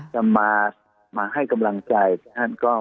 จะมาให้กำลังใจท่านก็